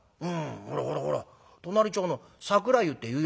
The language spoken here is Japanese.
ほらほらほら隣町の桜湯って湯屋だよ」。